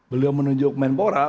beliau menunjuk menpora